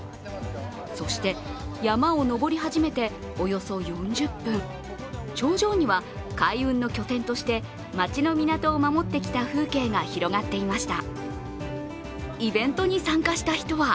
そして、山を登り始めておよそ４０分頂上には、開運の拠点として町の港を守ってきた風景が広がっていました。